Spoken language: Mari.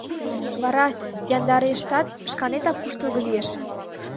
Вара яндарештат, шканетак куштылго лиеш».